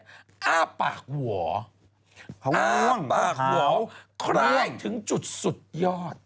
อ้าวปากหวาวคล้ายถึงจุดสุดยอด